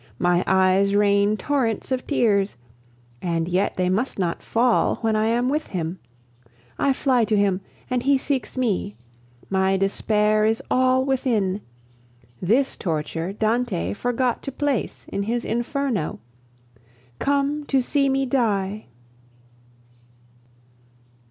My eyes rain torrents of tears and yet they must not fall when I am with him. I fly to him, and he seeks me. My despair is all within. This torture Dante forgot to place in his Inferno. Come to see me die!